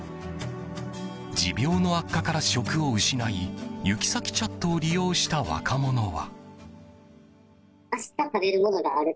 持病の悪化から職を失いユキサキチャットを利用した若者は。